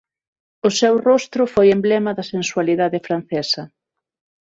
O seu rostro foi emblema da sensualidade francesa.